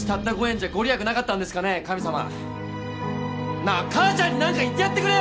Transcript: なあ母ちゃんに何か言ってやってくれよ！